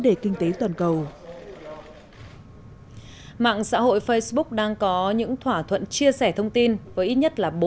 đề kinh tế toàn cầu mạng xã hội facebook đang có những thỏa thuận chia sẻ thông tin với ít nhất là